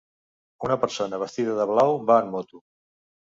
Una persona vestida de blau va en moto.